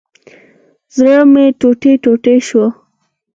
زړه مي ټوټي ټوټي شو